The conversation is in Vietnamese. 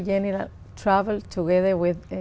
và nó rất thú vị cho tôi